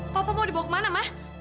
papa mau dibawa kemana ma